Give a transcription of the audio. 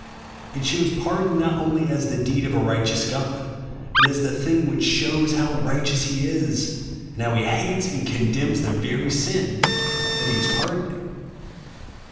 It shews pardon not only as the deed of a righteous God, but as the thing which shews how righteous he is, and how he hates and condemns the very sin that he is pardoning.